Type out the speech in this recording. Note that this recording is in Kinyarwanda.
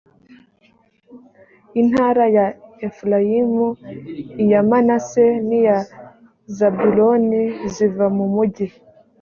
intara ya efurayimu iya manase n iya zabuloni ziva mu mugi